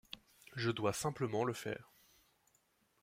Je dois simplement le faire.